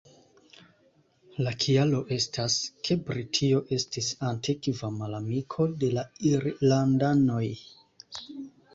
La kialo estas, ke Britio estis antikva malamiko de la irlandanoj.